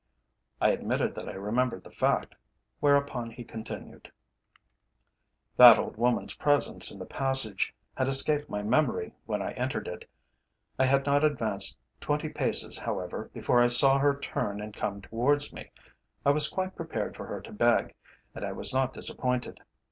I admitted that I remembered the fact, whereupon he continued: "That old woman's presence in the passage had escaped my memory when I entered it. I had not advanced twenty paces, however, before I saw her turn and come towards me. I was quite prepared for her to beg, and I was not disappointed.